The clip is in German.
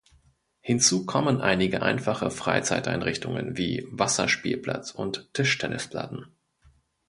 Hinzu kommen einige einfache Freizeiteinrichtungen wie Wasserspielplatz und Tischtennisplatten.